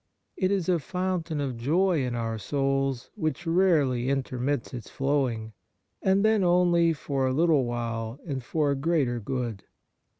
It is a foun tain of joy in our souls which rarely inter mits its flowing, and then only for a little while and for a greater good.